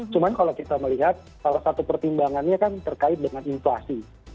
cuman kalau kita melihat salah satu pertimbangannya kan terkait dengan inflasi